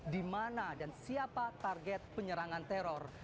di mana dan siapa target penyerangan teror